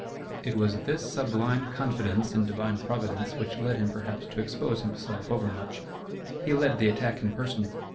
It was this sublime confidence in divine Providence which led him perhaps to expose himself overmuch. He led the attack in person.